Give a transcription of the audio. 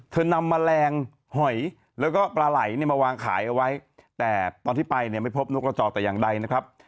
นำแมลงหอยแล้วก็ปลาไหล่เนี่ยมาวางขายเอาไว้แต่ตอนที่ไปเนี่ยไม่พบนกระจอกแต่อย่างใดนะครับ